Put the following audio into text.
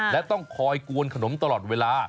และต้องคอยกวนขนมตลอดเวลา